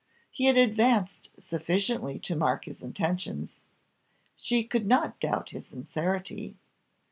he had advanced sufficiently to mark his intentions, she could not doubt his sincerity.